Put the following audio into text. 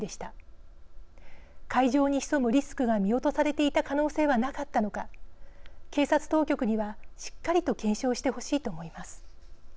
会場に潜むリスクが見落とされていた可能性はなかったのか警察当局にはしっかりと検証してほしいと思います。